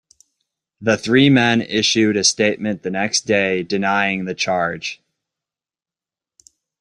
The three men issued a statement the next day denying the charge.